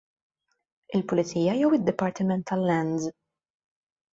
Il-Pulizija jew id-Dipartiment tal-Lands?